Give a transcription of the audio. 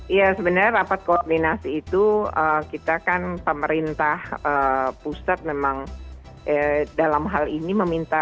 iya sebenarnya rapat koordinasi itu kita kan pemerintah pusat memang dalam hal ini meminta